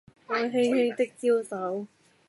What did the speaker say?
我輕輕的招手